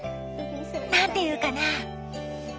何て言うかな。